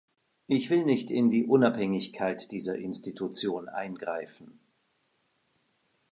Ich will nicht in die Unabhängigkeit dieser Institution eingreifen.